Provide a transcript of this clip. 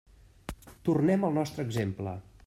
Tornem al nostre exemple.